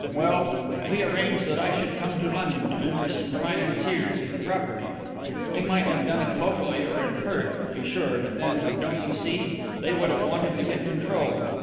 Well, we arranged that I should come to London to interest some financiers in the property. We might have done it locally or in Perth, to be sure, but then, don't you see, they would have wanted to get control.